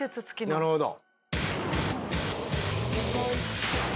なるほど。